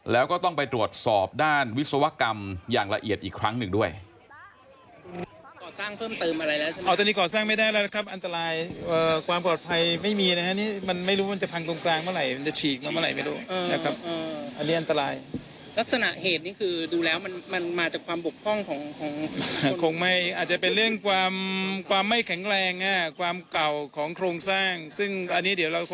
แล้วก็ต้องไปตรวจสอบด้านวิศวกรรมอย่างละเอียดอีกครั้งหนึ่งด้วย